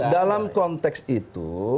dalam konteks itu